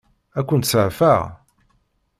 Ad kent-seɛfeɣ?